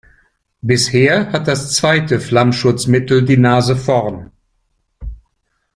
Bisher hat das zweite Flammschutzmittel die Nase vorn.